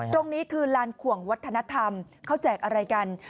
ตรงนี้คือลานขวงวัฒนธรรมเขาแจกอะไรกัน